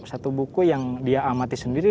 satu buku yang dia amati sendiri